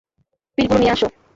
পিলগুলো নিয়ে আসো!